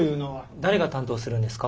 誰が担当するんですか？